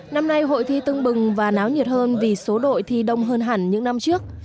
năm nay hội thi tưng bừng và náo nhiệt hơn vì số đội thi đông hơn hẳn những năm trước